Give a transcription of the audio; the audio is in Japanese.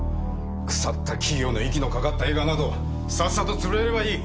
腐った企業の息のかかった映画などさっさと潰れればいい。